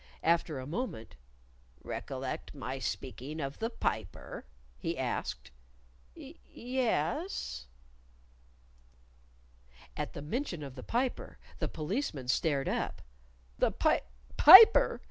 After a moment, "Recollect my speaking of the Piper?" he asked. "Y y yes." At the mention of the Piper, the Policeman stared up. "The Pip Piper!"